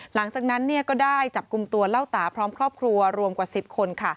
หลังจากนั้นก็ได้จับกลุ่มตัวเล่าตาพร้อมครอบครัวรวมกว่า๑๐คน